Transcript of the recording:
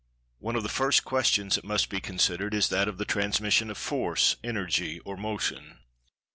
One of the first questions that must be considered is that of the transmission of Force, Energy or Motion.